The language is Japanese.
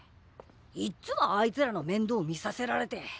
いっつもあいつらのめんどう見させられて！